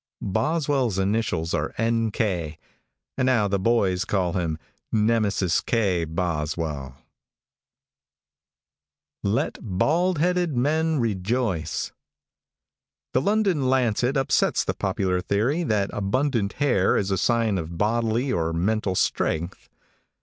Boswell's initials are N. K., and now the boys call him Nemesis K. Boswell. |THE London Lancet upsets the popular theory that abundant hair is a sign of bodily or mental strength.